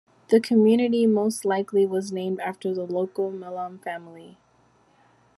The community most likely was named after the local Milam family.